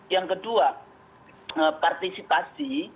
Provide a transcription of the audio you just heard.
yang kedua partisipasi